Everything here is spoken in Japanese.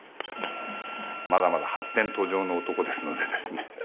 まだまだ発展途上の男ですのでですね。